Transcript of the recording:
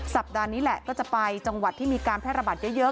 สัปดาห์นี้แหละก็จะไปจังหวัดที่มีการแพร่ระบาดเยอะ